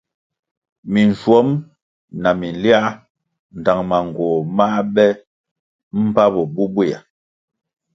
Minschuom na minliár ndtang manğoh má be mbpa bo bubuea.